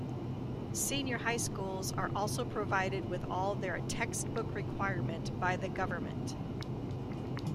Senior high schools are also provided with all their textbook requirement by the government.